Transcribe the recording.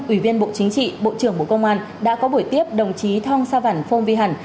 ủy viên bộ chính trị bộ trưởng bộ công an đã có buổi tiếp đồng chí thong sa văn phong vy hẳn